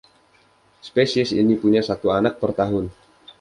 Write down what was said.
Spesies ini punya satu anak per tahun.